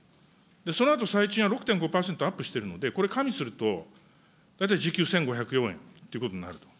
そのあと最賃は６．５％アップしてるので、これ加味すると、大体時給１５０４円ということになる。